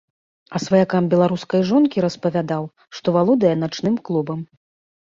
А сваякам беларускай жонкі распавядаў, што валодае начным клубам.